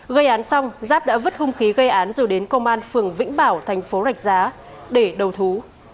gây án xong giáp đã vứt hung khí gây án rồi đến công an phường vĩnh bảo thành phố rạch giá để đầu thú